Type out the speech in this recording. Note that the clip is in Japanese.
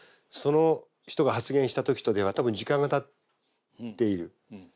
その人が発言した時とでは多分時間がたっている。